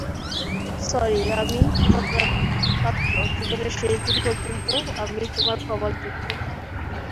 Sorry, আমিই কৃপাপাত্র, জীবনের শেষদিন পর্যন্ত আমিই তোমার ক্ষমার যোগ্য।